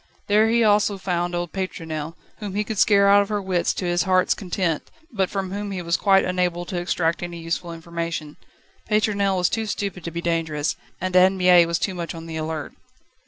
There he also found old Pétronelle, whom he could scare out of her wits to his heart's content, but from whom he was quite unable to extract any useful information. Pétronelle was too stupid to be dangerous, and Anne Mie was too much on the alert.